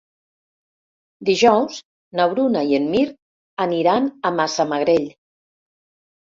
Dijous na Bruna i en Mirt aniran a Massamagrell.